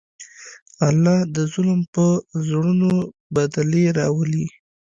الله د ظلم په زړونو بدلې راولي.